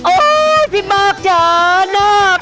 โอ้ยพี่บอกจ้าหนัก